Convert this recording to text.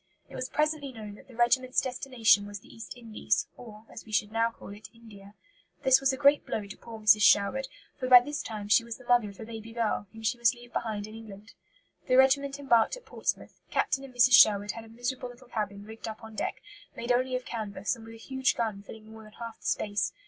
It was presently known that the regiment's destination was the East Indies, or, as we should now call it, India. This was a great blow to poor Mrs. Sherwood, for by this time she was the mother of a baby girl, whom she must leave behind in England. The regiment embarked at Portsmouth. Captain and Mrs. Sherwood had a miserable little cabin rigged up on deck, made only of canvas, and with a huge gun filling more than half the space.